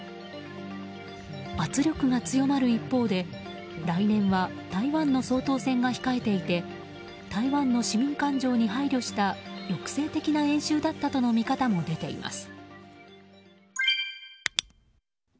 圧力が強まる一方で来年は台湾の総統選が控えていて台湾の市民感情に配慮した抑制的な演習だったとの見方も出ています。